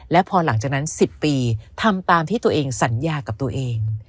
และพอหลังจากนั้น๑๐ปีทำตามที่ตัวเองสัญญากับตัวเอง